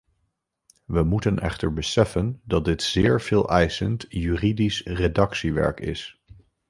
We moeten echter beseffen dat dit zeer veeleisend juridisch redactiewerk is.